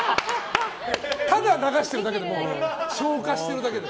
ただ流してるだけで消化してるだけで？